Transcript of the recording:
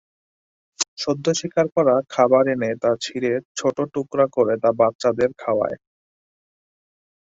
সদ্য শিকার করা খাবার এনে তা ছিঁড়ে ছোট টুকরা করে তা বাচ্চাদের খাওয়ায়।